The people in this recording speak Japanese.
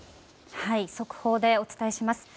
速報でお伝えします。